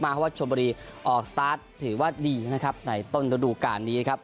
เพราะว่าชนบุรีออกสตาร์ทถือว่าดีนะครับในต้นระดูการนี้ครับ